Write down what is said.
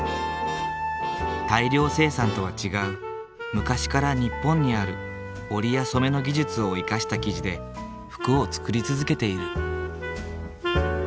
大量生産とは違う昔から日本にある織りや染めの技術を生かした生地で服を作り続けている。